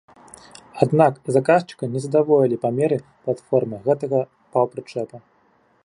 Аднак заказчыка не задаволілі памеры платформы гэтага паўпрычэпа.